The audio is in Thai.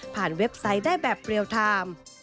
เว็บไซต์ได้แบบเรียลไทม์